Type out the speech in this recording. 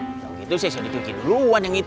kalau gitu saya sudah di cuci duluan yang itu